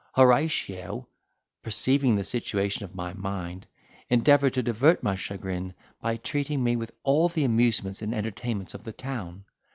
Horatio, perceiving the situation of my mind, endeavoured to divert my chagrin, by treating me with all the amusements and entertainments of the town.